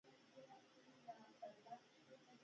نو ځکه لومړی د کلي له لارې کښتۍ ته ولاړو.